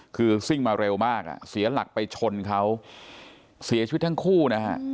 คือซิ่งมาเร็วมากอ่ะเสียหลักไปชนเขาเสียชีวิตทั้งคู่นะฮะ